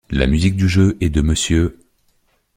La musique du jeu est de Mr.